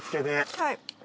はい。